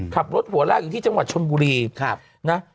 ขับรถหัวลากอยู่ที่จังหวัดชนบุรีนะ